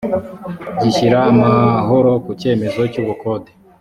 gishira amahoro ku cyemezo cy’ubukode